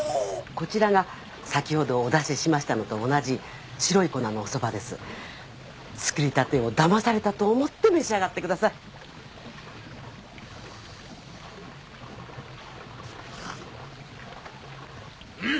こちらが先ほどお出ししましたのと同じ白い粉のおそばです作りたてをだまされたと思って召し上がってくださいうん！